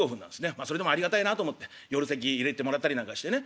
まあそれでもありがたいなと思って夜席入れてもらったりなんかしてね。